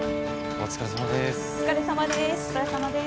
お疲れさまです。